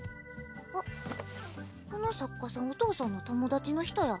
あっこの作家さんお父さんの友達の人や。